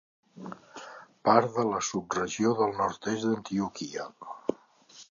Part de la subregió del nord-est d'Antioquia.